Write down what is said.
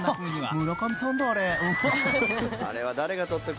［村上さんだあれ］